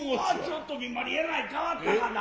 ちょっと見ぬ間にえらい変わったがな。